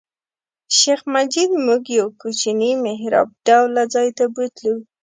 شیخ مجید موږ یو کوچني محراب ډوله ځای ته بوتلو.